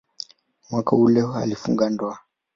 Mwaka uleule alifunga ndoa.